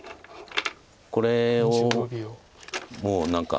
これをもう何か。